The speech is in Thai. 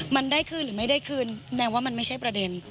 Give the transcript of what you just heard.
มันได้คืนหรือไม่ได้คืนแสดงว่ามันไม่ใช่ประเด็น